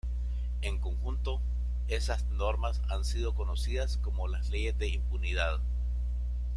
En conjunto, esas normas han sido conocidas como las leyes de impunidad.